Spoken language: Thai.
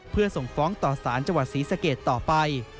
เพื่อส่งฟ้องต่อสารจังหวัดศรีสะเกดต่อไป